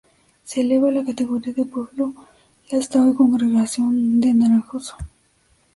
Se eleva a la categoría de pueblo la hasta hoy Congregación de Naranjos.